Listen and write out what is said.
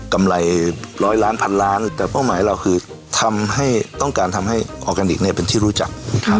กำไรร้อยล้านพันล้านแต่เป้าหมายเราคือทำให้ต้องการทำให้ออร์แกนิคเนี่ยเป็นที่รู้จัก